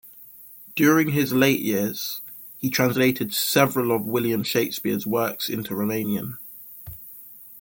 During his late years, he translated several of William Shakespeare's works into Romanian.